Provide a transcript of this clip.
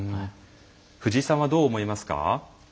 藤井さんはどう思いますか？